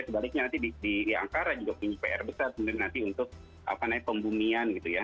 sebaliknya nanti di ankara juga punya pr besar untuk pembunyian gitu ya